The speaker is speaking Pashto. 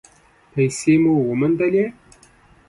پیسې مو وموندلې؟